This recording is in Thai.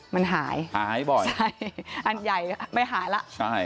มันหายหายบ่อยใช่อันใหญ่ไม่หายแล้วใช่